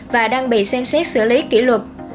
và đang bị xem xét xử lý kỷ luật